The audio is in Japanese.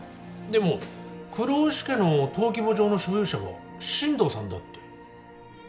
でも黒丑家の登記簿上の所有者は進藤さんだって。